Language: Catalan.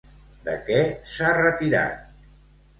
De què s'ha retirat?